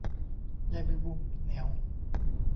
ใยแมงมุม เหนียว